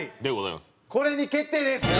これに決定です